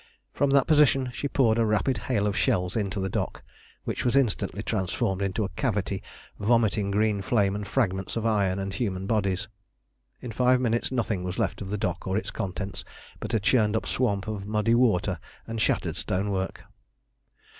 From that position she poured a rapid hail of shells into the dock, which was instantly transformed into a cavity vomiting green flame and fragments of iron and human bodies. In five minutes nothing was left of the dock or its contents but a churned up swamp of muddy water and shattered stonework.